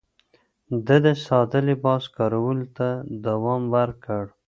ده د ساده لباس کارولو ته دوام ورکړ.